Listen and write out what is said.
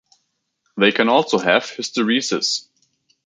They can also have hysteresis.